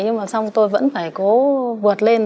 nhưng mà xong tôi vẫn phải cố vượt lên